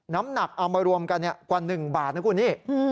น้ำหนักเอามารวมกันกว่า๑บาทนะคุณนี่